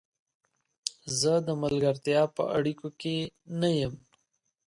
زه د ملګرتیا په اړیکو کې نه یم.